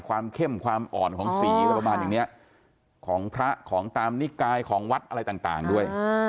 ความเข้มความอ่อนของสีของพระของตามนิกายของวัดอะไรต่างด้วย